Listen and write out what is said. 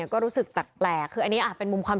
ก็บอกตกดึกได้ยินเสียงก๊อบแก๊บ